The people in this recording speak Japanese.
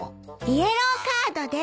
イエローカードです。